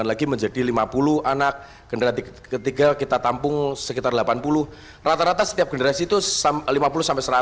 lagi menjadi lima puluh anak generasi ketiga kita tampung sekitar delapan puluh rata rata setiap generasi itu lima puluh